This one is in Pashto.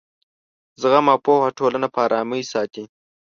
زغم او پوهه ټولنه په ارامۍ ساتي.